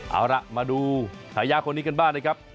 เอาละมาดูฉายาคนนี้กันบ้าง